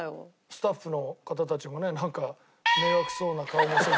スタッフの方たちもねなんか迷惑そうな顔もせず。